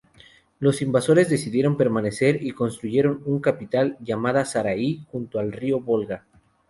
Los invasores decidieron permanecer, y construyeron una capital, llamada Sarai, junto al río Volga.